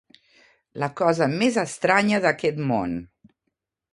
La cosa més estranya d'aquest món